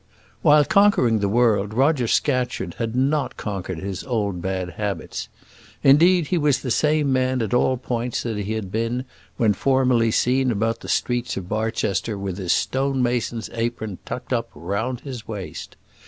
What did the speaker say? While conquering the world Roger Scatcherd had not conquered his old bad habits. Indeed, he was the same man at all points that he had been when formerly seen about the streets of Barchester with his stone mason's apron tucked up round his waist.